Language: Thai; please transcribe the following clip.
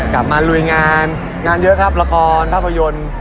มาลุยงานงานเยอะครับละครภาพยนตร์